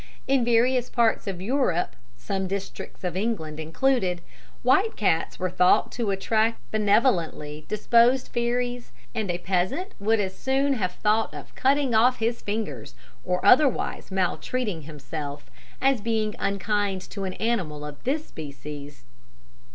"In various parts of Europe (some districts of England included) white cats were thought to attract benevolently disposed fairies, and a peasant would as soon have thought of cutting off his fingers, or otherwise maltreating himself, as being unkind to an animal of this species.